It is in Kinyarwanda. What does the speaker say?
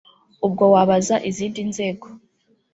ubwo wabaza izindi nzego